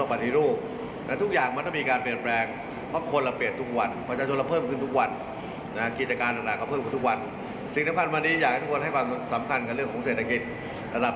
เพราะว่าผมเป็นนายกรัฐมนตรีอยู่อย่างนี้แหละครับ